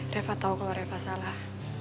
rafa tahu kalau rafa salah